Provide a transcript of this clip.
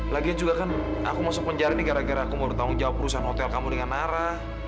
lagian juga kan aku masuk penjara nih gara gara aku mau bertanggung jawab perusahaan hotel kamu dengan nara